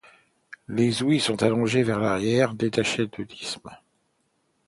Les ouïes sont allongées vers l'arrière, détachées de l'isthme.